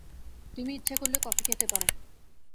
তুমি ইচ্ছা করলে কফি খেতে পার।